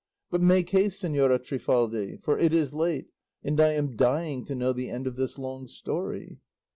But make haste, Señora Trifaldi; for it is late, and I am dying to know the end of this long story."